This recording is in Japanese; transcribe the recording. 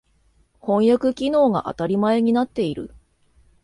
翻訳機能が当たり前になっている。